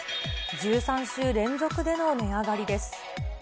１３週連続での値上がりです。